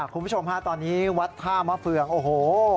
คุณผู้ชมฮะตอนนี้วัดท่ามะเฟืองโอ้โห